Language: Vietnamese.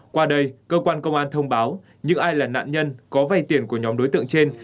qua đây cơ quan công an thông báo những ai là nạn nhân có vay tiền của nhóm đối tượng trên